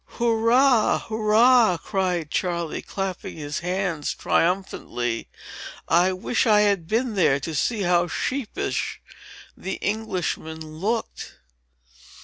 "Hurra! Hurra!" cried Charley, clapping his hands triumphantly. "I wish I had been there, to see how sheepish the Englishmen looked."